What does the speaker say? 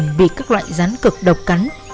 một lần bị các loại rắn cực độc cắn